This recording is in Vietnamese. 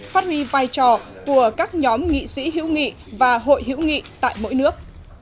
phát huy vai trò của các nhóm nghị sĩ hữu nghị và hội hữu nghị tại mỗi nước